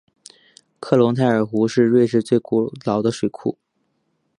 克隆泰尔湖是瑞士最老的水库。